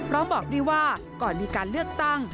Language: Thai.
บอกด้วยว่าก่อนมีการเลือกตั้ง